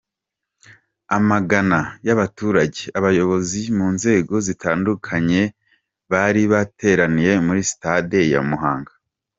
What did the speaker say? Amagana y’abaturage, abayobozi mu nzego zitandukanye bari bateraniye muri sitade ya Muhanga.